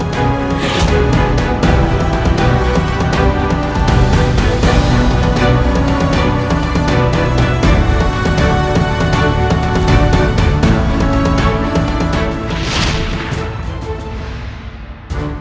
ketika kita berada di kota yang terbaik